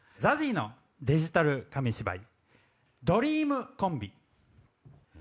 ＺＡＺＹのデジタル紙芝居「ドリームコンビ」。